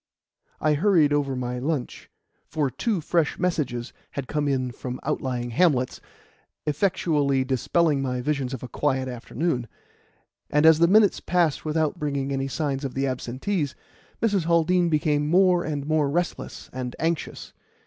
I hurried over my lunch, for two fresh messages had come in from outlying hamlets, effectually dispelling my visions of a quiet afternoon; and as the minutes passed without bringing any signs of the absentees, Mrs. Haldean became more and more restless and anxious.